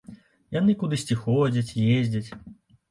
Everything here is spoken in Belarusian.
Яны кудысьці ходзяць, ездзяць.